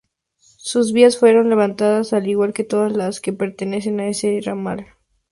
Sus vías fueron levantadas al igual que todas las que pertenecen a ese ramal.